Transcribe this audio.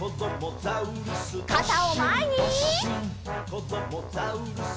「こどもザウルス